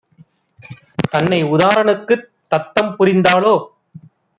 தன்னை உதாரனுக்குத் தத்தம் புரிந்தாளோ?